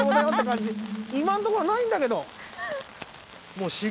今のところないんだけど。